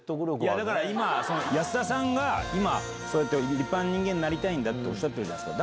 だから今、安田さんが今、そうやって立派な人間になりたいんだって、おっしゃってるじゃないですか。